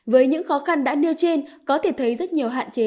với những khó khăn đã nêu trên có thể thấy rất nhiều hạn chế